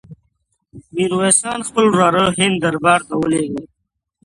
میرویس خان خپل وراره د هند دربار ته ولېږه.